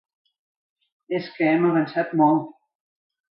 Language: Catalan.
És que hem avançat molt!